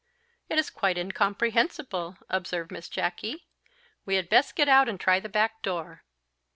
"It is quite incomprehensible!" observed Miss Jacky. "We had best get out and try the back door."